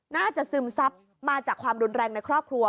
น่าจะซึมทรัพย์มาจากความดนตรแรงในครอบครัว